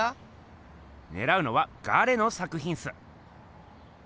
ねらうのは「ガレ」の作ひんっす。